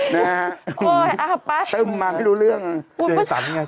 นะฮะต้มมาไม่รู้เรื่องน่ะคุณประชาวโอ๊ยเอาล่ะป๊า